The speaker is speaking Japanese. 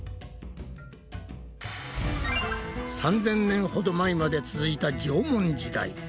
３，０００年ほど前まで続いた縄文時代。